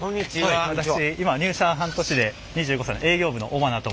私今入社半年で２５歳の営業部の尾花と申します。